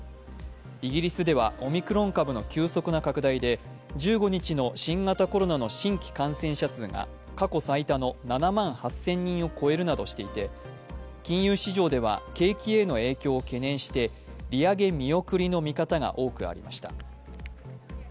イギリスではオミクロン株の急速な拡大で１５日の新型コロナの新規感染者数が過去最多の７万８０００人を超えるなどしていて、金融市場では、景気への影響を懸念して利上げ見送りの見方が多くありました。